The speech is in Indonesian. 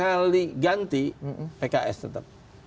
kali ganti pks tetap